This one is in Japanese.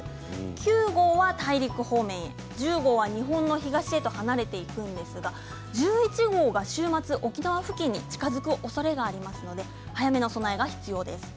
９号は大陸方面１０号は日本の東へと離れているんですが１１号が週末沖縄付近に近づくおそれがありますので早めの備えが必要です。